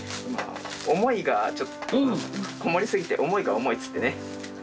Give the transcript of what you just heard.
思いがちょっとこもりすぎて思いが重いっつってね。